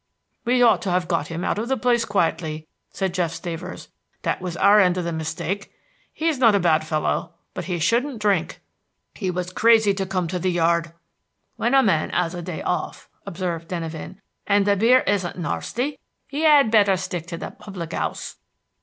"We ought to have got him out of the place quietly," said Jeff Stavers; "that was our end of the mistake. He is not a bad fellow, but he shouldn't drink." "He was crazy to come to the yard." "When a man 'as a day off," observed Denyven, "and the beer isn't narsty, he 'ad better stick to the public 'ouse."